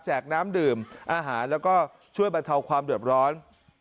น้ำดื่มอาหารแล้วก็ช่วยบรรเทาความเดือดร้อน